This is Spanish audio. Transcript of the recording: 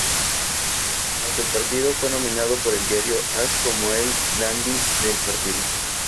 Tras el partido fue nombrado por el Diario As como el "dandy" del partido.